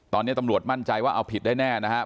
ตอนนี้ตำรวจมั่นใจว่าเอาผิดได้แน่นะครับ